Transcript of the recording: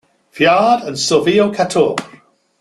Theard and Silvio Cator.